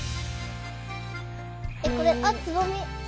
えっこれあっつぼみ。